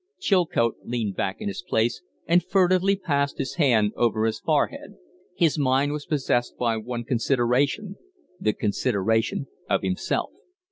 Chilcote leaned back in his place and furtively passed his hand over his forehead. His mind was possessed by one consideration the consideration of himself.